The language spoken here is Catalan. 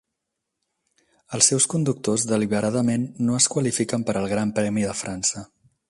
Els seus conductors deliberadament no es qualifiquen per al Gran Premi de França.